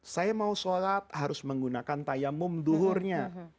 saya mau sholat harus menggunakan tayamum duhurnya